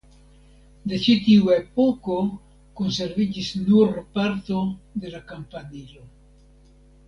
De ĉi tiu epoko konserviĝis nur parto de la kampanilo.